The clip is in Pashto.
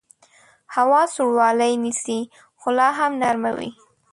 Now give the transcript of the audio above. هوا سوړوالی نیسي خو لاهم نرمه وي